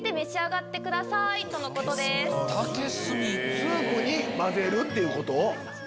スープに混ぜるってこと？